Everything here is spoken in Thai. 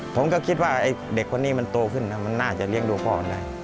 ผมก็คิดว่าไอ้เด็กคนนี้มันโตขึ้นมันน่าจะเลี้ยงดูพ่อได้